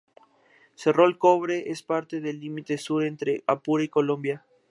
Cerro el Cobre es parte del límite sur entre Apure y Colombia.